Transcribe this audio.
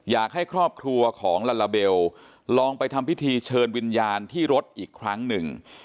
อยากให้ครอบครัวของลาลาเบลลองไปทำพิธีเชิญวิญญาณที่รถอีกครั้งหนึ่ง